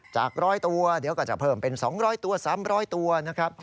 จาก๑๐๐ตัวเดี๋ยวก็จะเพิ่มเป็น๒๐๐ตัว๓๐๐ตัวนะครับ